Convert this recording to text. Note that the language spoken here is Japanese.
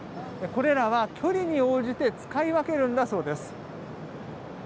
これらは距離に応じて使い分けるんだそうです。